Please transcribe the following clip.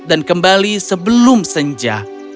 dan kembali sebelum senja